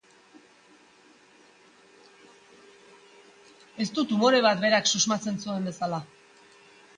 Ez du tumore bat berak susmatzen zuen bezala.